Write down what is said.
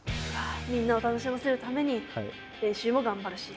みんなを楽しませるために練習も頑張るし。